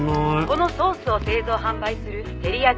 「このソースを製造・販売するテリヤ